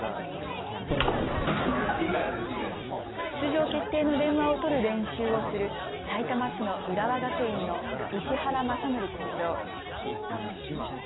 出場決定の電話を取る練習をするさいたま市の浦和学院の石原正規校長。